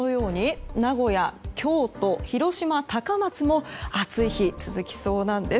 名古屋、京都、広島、高松も暑い日が続きそうなんです。